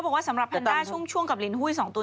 กระสมพันธ์เองไม่เป็นเหรอ